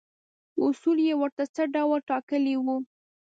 اصول یې ورته څه ډول ټاکلي وي.